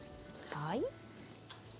はい。